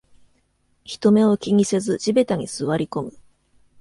人目を気にせず地べたに座りこむ